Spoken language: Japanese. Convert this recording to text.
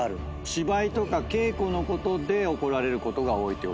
芝居とか稽古のことで怒られることが多いってこと？